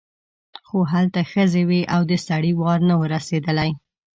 خو هلته ښځې وې او د سړي وار نه و رسېدلی.